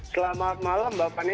selamat malam mbak pani